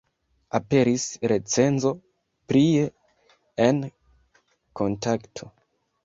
Aperis recenzo prie en Kontakto.